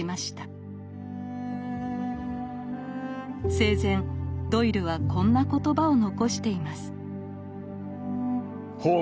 生前ドイルはこんな言葉を残しています。